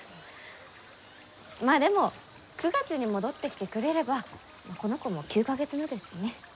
まあでも９月に戻ってきてくれればこの子も９か月目ですしね。